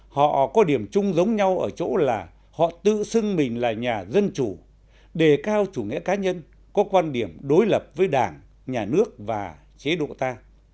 họ có điểm chung giống nhau ở chỗ là họ tự xưng mình là nhà dân chủ đề cao chủ nghĩa cá nhân có quan điểm đối lập với đảng nhà nước và chế độ ta